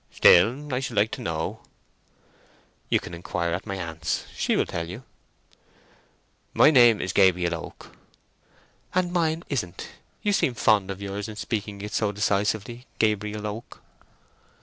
"Still, I should like to know." "You can inquire at my aunt's—she will tell you." "My name is Gabriel Oak." "And mine isn't. You seem fond of yours in speaking it so decisively, Gabriel Oak."